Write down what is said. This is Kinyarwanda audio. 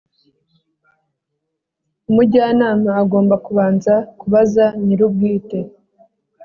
umujyanama agomba kubanza kubaza nyir’ubwite.